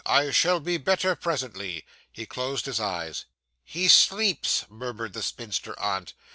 I shall be better presently.' He closed his eyes. 'He sleeps,' murmured the spinster aunt.